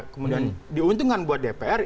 kemudian diuntungkan buat dpr